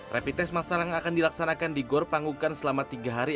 rapid test masal yang akan dilaksanakan di gor pangukan selama tiga hari